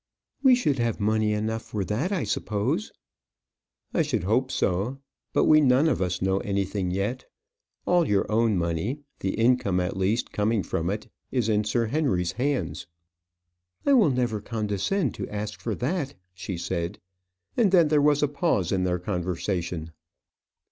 "We should have money enough for that, I suppose." "I should hope so. But we none of us know anything yet. All your own money the income, at least, coming from it is in Sir Henry's hands." "I will never condescend to ask for that," she said. And then there was a pause in their conversation.